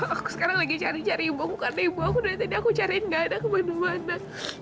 aku sekarang lagi cari cari ibu aku karena ibu aku dari tadi aku cari gak ada kemana mana